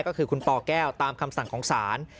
ก็คือคุณปแก้วตามคำสั่งของศาล